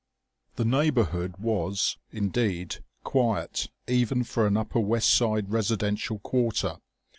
The neighbourhood was, indeed, quiet even for an upper West Side residential quarter.